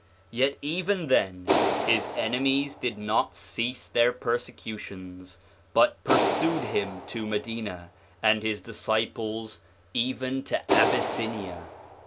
Yet even then his enemies did not cease their persecutions, but pursued him to Madina, and his disciples even to Abyssinia.